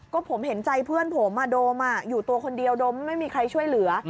ก็ผมเห็นใจเพื่อนผมโดมอยู่ตัวคนเดียวโดมไม่มีใครช่วยเหลือ